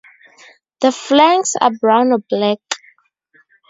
The flanks are brown or black.